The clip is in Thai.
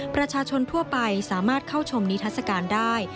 ประชาชนทั่วไปสามารถเข้าชมนิทัศกาลได้